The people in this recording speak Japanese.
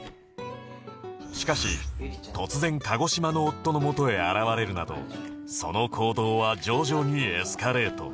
しかし突然鹿児島の夫の元へ現れるなどその行動は徐々にエスカレート